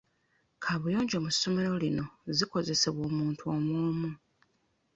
Kabuyonjo mu ssomero lino zikozesebwa omuntu omu omu.